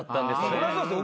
そりゃそうですよ